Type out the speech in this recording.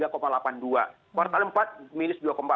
kuartal empat minus dua empat